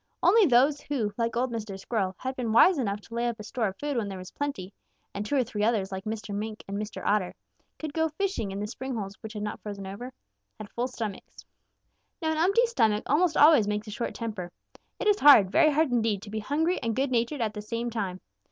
Only those who, like old Mr. Squirrel, had been wise enough to lay up a store of food when there was plenty, and two or three others like Mr. Mink and Mr. Otter, who could go fishing in the spring holes which had not frozen over, had full stomachs. "Now an empty stomach almost always makes a short temper. It is hard, very hard indeed to be hungry and good natured at the same time.